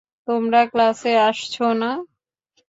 তোমরা ক্লাসে আসছো না?